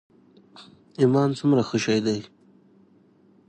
ایمان څومره ښه شی دی.